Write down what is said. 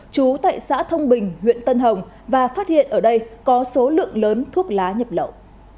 chú tại xã thông bình huyện tân hồng và phát hiện ở đây có số lượng lớn thuốc lá nhập lậu